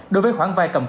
đối với khoản vai cầm cố xe